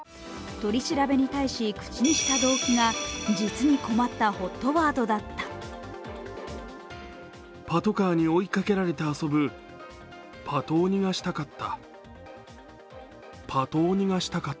取り調べに対し口にした動機が、実に困ったＨＯＴワードだった。